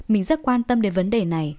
mình rất quan tâm đến vấn đề này